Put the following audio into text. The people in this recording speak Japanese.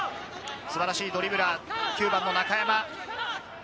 素晴らしいドリブラー、９番の中山。